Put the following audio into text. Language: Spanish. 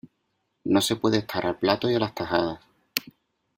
No se puede estar al plato y a las tajadas.